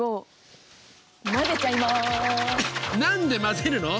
何で混ぜるの？